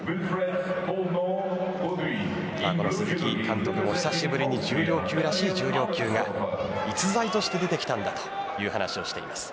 鈴木監督も久しぶりに重量級らしい重量級が逸材として出てきたという話をしていました。